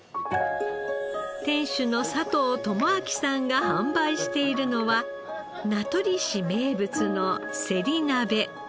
店主の佐藤智明さんが販売しているのは名取市名物のせり鍋。